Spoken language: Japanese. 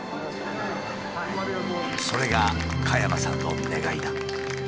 それが加山さんの願いだ。